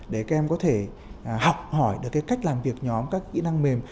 để các em có thể học hỏi cách làm việc nhóm các kỹ năng mềm